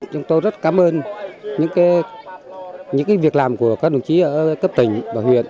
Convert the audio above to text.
chúng tôi rất cảm ơn những việc làm của các đồng chí ở cấp tỉnh và huyện